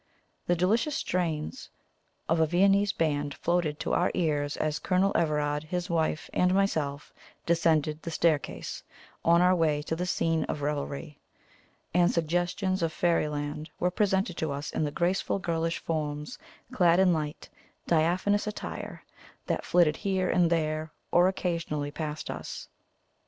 The delicious strains of a Viennese band floated to our ears as Colonel Everard, his wife, and myself descended the staircase on our way to the scene of revelry; and suggestions of fairyland were presented to us in the graceful girlish forms, clad in light, diaphanous attire, that flitted here and there, or occasionally passed us.